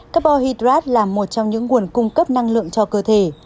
carbohydrate là một trong những nguồn cung cấp năng lượng cho cơ thể